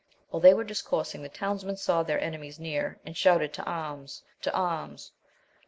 While they were discoursing, the townsmen saw their enemies near, and shouted, to arms ! to arms